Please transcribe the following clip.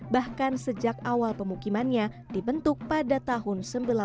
bahkan sejak awal pemukimannya dibentuk pada tahun seribu sembilan ratus delapan puluh